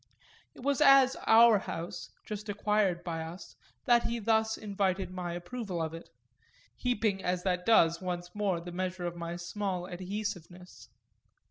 It was as "our" house, just acquired by us, that he thus invited my approval of it heaping as that does once more the measure of my small adhesiveness.